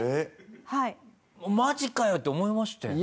マジかよ！？って思いましたよね？